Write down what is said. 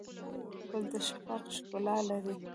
ګل د شفق ښکلا لري.